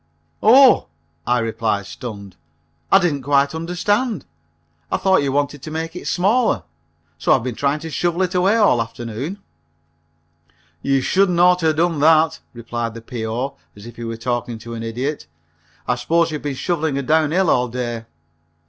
"Oh!" I replied, stunned, "I didn't quite understand. I thought you wanted to make it smaller, so I've been trying to shovel it away all afternoon." "You shouldn't oughter have done that," replied the P.O. as if he were talking to an idiot, "I suppose you've been shoveling her down hill all day?"